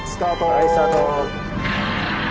はいスタート。